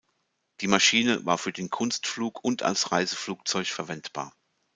Die Maschine war für den Kunstflug und als Reiseflugzeug verwendbar.